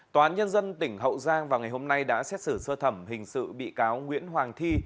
tòa án nhân dân tỉnh hậu giang vào ngày hôm nay đã xét xử sơ thẩm hình sự bị cáo nguyễn hoàng thi